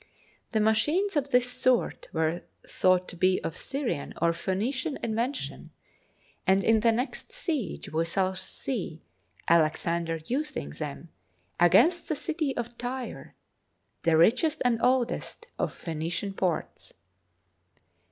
The machines of this sort were thought to be of Syrian or Phoenician invention, and in the next siege we shall see Alexander using them against the city of Tyre, the richest and old est of Phoenician ports.